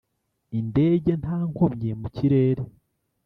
Indege nta nkomyi mu kirere